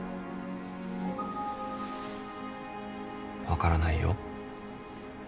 分からないよ。